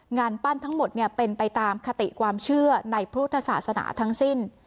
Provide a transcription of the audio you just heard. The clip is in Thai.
งานปั้นทั้งหมดเป็นไปตามคติความเชื่อในพุทธศาสนาทั้งสิ้น